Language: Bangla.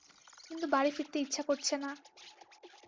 কিন্তু বাড়ি ফিরতে ইচ্ছে করছে না।